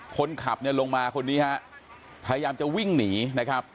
คนขับเนี่ยลงมาคนนี้ฮะพยายามจะวิ่งหนีนะครับ